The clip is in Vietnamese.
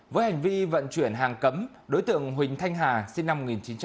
với hành vi vận chuyển hàng cấm đối tượng huỳnh thanh hà sinh năm một nghìn chín trăm tám mươi